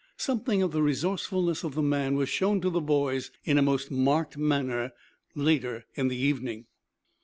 Something of the resourcefulness of the man was shown to the boys in a most marked manner later in the evening.